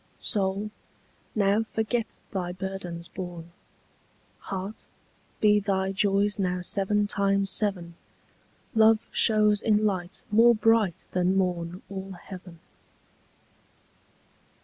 Soul, now forget thy burdens borne: Heart, be thy joys now seven times seven: Love shows in light more bright than morn All heaven.